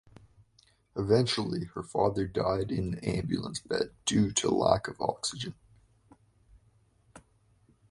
Eventually her father died in the ambulance bed due to lack of oxygen.